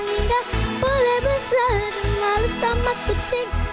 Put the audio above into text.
jangan boleh bersedih malu sama kucing